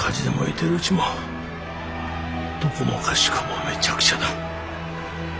どこもかしこもめちゃくちゃだ。